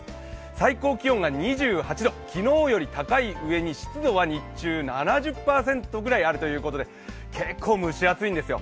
最高気温が２８度、昨日より高いうえに湿度は日中、７０％くらいあるということで結構蒸し暑いんですよ。